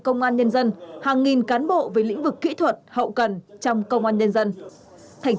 công an nhân dân hàng nghìn cán bộ về lĩnh vực kỹ thuật hậu cần trong công an nhân dân thành